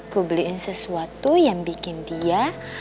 gue beliin sesuatu yang bikin dia